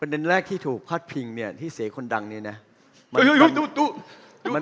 เด็นแรกที่ถูกพาดพิงเนี่ยที่เสียคนดังเนี่ยนะ